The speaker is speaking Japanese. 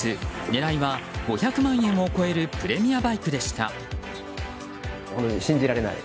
狙いは５００万円を超えるプレミアバイクでした。